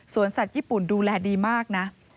สัตว์ญี่ปุ่นดูแลดีมากนะ